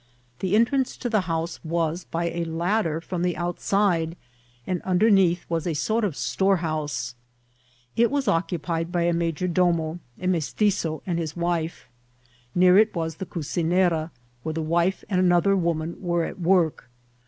The entrance to the hoose was by a ladder from the outside, and underneath was a sort of store* house* It was occupied by a major domo, a Bfestitio, and his wife. Near it was the cocinera, wboe the wife and another woman were at work.